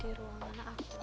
di ruang mana aku